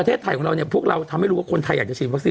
ทำให้รู้ว่าคนไทยอยากจะฉีดวัคซีน